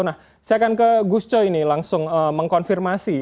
nah saya akan ke gus coy ini langsung mengkonfirmasi